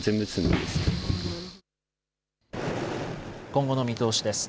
今後の見通しです。